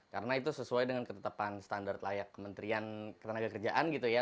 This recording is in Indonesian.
karena itu sesuai dengan ketetapan standar layak kementerian ketenagakerjaan gitu ya